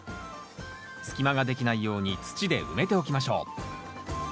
隙間ができないように土で埋めておきましょう。